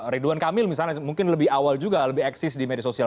ridwan kamil misalnya mungkin lebih awal juga lebih eksis di media sosial